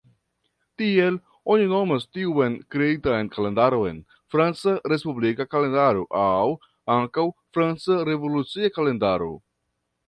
Tiel, oni nomas tiun kreitan kalendaron Franca respublika kalendaro aŭ ankaŭ Franca revolucia kalendaro.